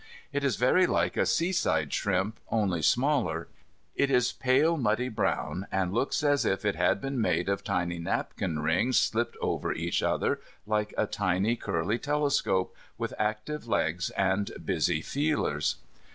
It is very like a seaside shrimp, only smaller. It is pale, muddy brown, and looks as if it had been made of tiny napkin rings slipped over each other like a little curly telescope, with active legs and busy feelers.